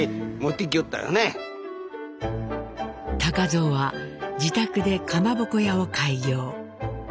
蔵は自宅でかまぼこ屋を開業。